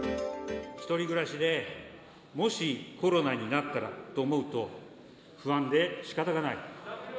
１人暮らしでもしコロナになったらと思うと、不安でしかたがない。